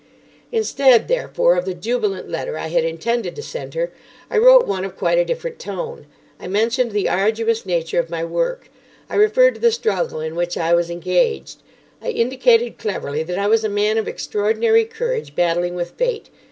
Instead, therefore, of the jubilant letter I had intended to send her, I wrote one of quite a different tone. I mentioned the arduous nature of my work. I referred to the struggle in which I was engaged. I indicated cleverly that I was a man of extraordinary courage battling with fate.